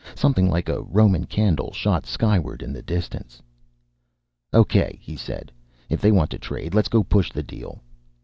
Something like a Roman candle shot skyward in the distance. "Okay!" he said. "If they want to trade, let's go push the deal